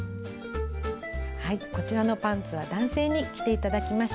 こちらのパンツは男性に着て頂きました。